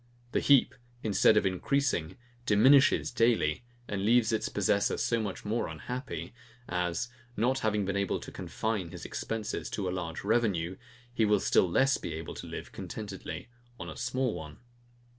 The heap, instead of increasing, diminishes daily, and leaves its possessor so much more unhappy, as, not having been able to confine his expences to a large revenue, he will still less be able to live contentedly on a small one.